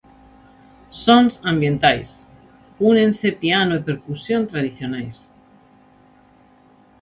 Sons ambientais, únense piano e percusións tradicionais.